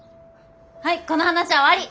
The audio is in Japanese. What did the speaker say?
はいこの話は終わり！